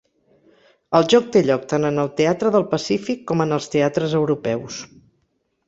El joc té lloc tant en el Teatre del Pacífic com en els teatres europeus.